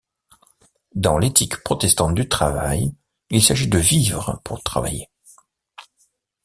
Dans l’éthique protestante du travail, il s’agit de vivre pour travailler.